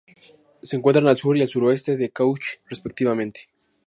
Se encuentran al sur y al suroeste de Cauchy, respectivamente.